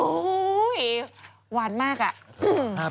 โอ๊ยหวานมากอ่ะ